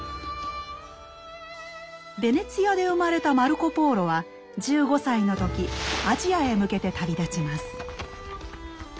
ベネチアで生まれたマルコ・ポーロは１５歳の時アジアへ向けて旅立ちます。